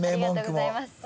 ありがとうございます。